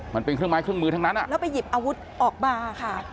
มันเป็นเครื่องไม้เครื่องมือทั้งนั้นอ่ะแล้วไปหยิบอาวุธออกมาค่ะ